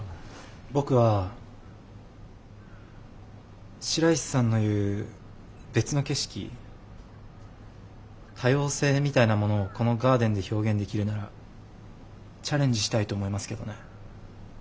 僕は白石さんの言う別の景色多様性みたいなものをこのガーデンで表現できるならチャレンジしたいと思いますけどね。